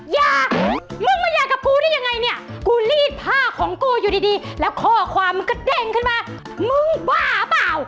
อย่ามึงมายากับกูได้ยังไงเนี่ยกูรีดผ้าของกูอยู่ดีแล้วข้อความมันก็เด้งขึ้นมามึงบ้าเปล่า